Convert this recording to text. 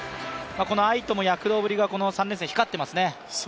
愛斗の躍動ぶりがこの３連戦、光っていますね。